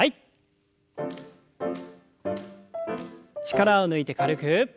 力を抜いて軽く。